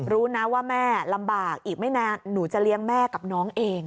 รู้นะว่าแม่ลำบากอีกไม่นานหนูจะเลี้ยงแม่กับน้องเอง